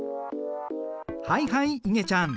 はいはいいげちゃん。